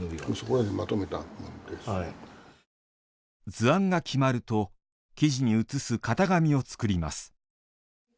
図案が決まると生地にうつす型紙を作ります。